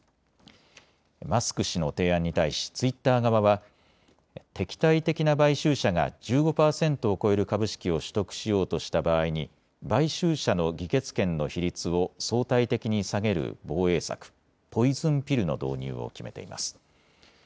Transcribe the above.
マスク氏の提案に対しツイッター側は敵対的な買収者が１５％を超える株式を取得しようとした場合に買収者の議決権の比率を相対的に下げる防衛策、ポイズンピルの導入を決めています。